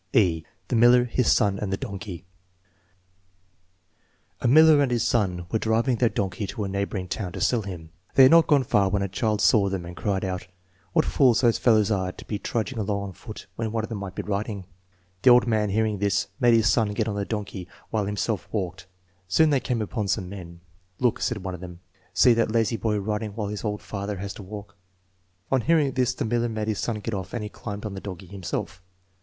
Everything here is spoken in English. (e) The Miller, His Son, and the Donkey A miller and his son were driving their donkey to a neighboring town to sell him. They had not gone far when a child saw them and cried out: " What fools those fellows are to be trudging along on foot when one of them might be riding." The old man, hearing this, made his son get on the donkey, while he himself walked. Soon, they came upon some men. "Look," said one of tfiem,, "see that lazy boy riding while his old father has to walk." On hearing this, the miller made his son get off, and he climbed on the donkey himself.